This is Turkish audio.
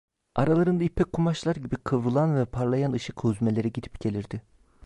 Aralarında ipek kumaşlar gibi kıvrılan ve parlayan ışık huzmeleri gidip gelirdi…